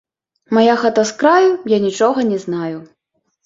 Мая хата з краю, я нічога не знаю!